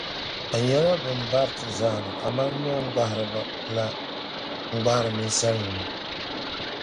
Bɛ nyɛla bɛn bariti zana kaman nooŋgbahiriba la n-gbahiri ninsalinima.